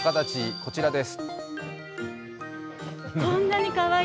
こちらです。